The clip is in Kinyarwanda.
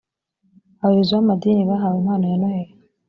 abayobozi b amadini bahawe impano ya noheli